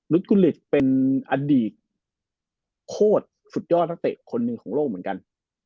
กุลิสเป็นอดีตโคตรสุดยอดนักเตะคนหนึ่งของโลกเหมือนกัน